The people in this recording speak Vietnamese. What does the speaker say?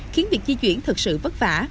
khiến việc di chuyển thật sự vất vả